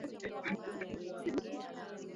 unahesabiwa bado uko ndani ya uwanja